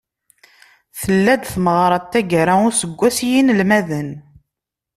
Tella-d tmeɣra n taggara n useggas i yinelmaden.